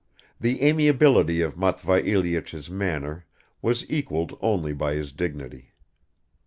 The amiability of Matvei Ilyich's manner was equaled only by his dignity.